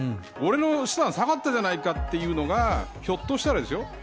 俺の資産下がったじゃないか、というのがひょっとしたらですよ